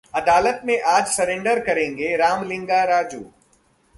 अदालत में आज सरेंडर करेंगे रामलिंगा राजू